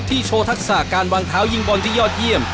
โชว์ทักษะการวางเท้ายิงบอลที่ยอดเยี่ยม